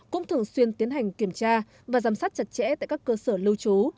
cũng thường xuyên tiến hành kiểm tra và giám sát chặt chẽ tại các cơ sở lưu trú